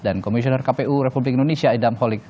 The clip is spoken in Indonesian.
dan komisioner kpu republik indonesia idam holik